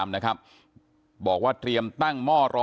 สวัสดีคุณผู้ชมครับสวัสดีคุณผู้ชมครับ